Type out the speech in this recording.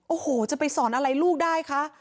โอ้โหจะไปสอนอะไรลูกได้คะ